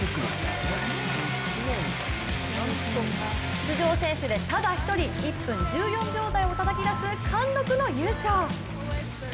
出場選手でただ一人、１分１４秒台をたたき出す貫禄の優勝。